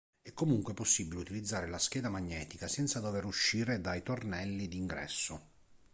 È comunque possibile utilizzare la scheda magnetica senza dover uscire dai tornelli di ingresso.